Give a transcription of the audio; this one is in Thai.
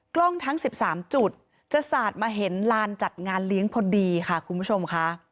กล้องทั้ง๑๓จุดจะสาดมาเห็นลานจัดงานเลี้ยงพอดีค่ะคุณผู้ชมค่ะ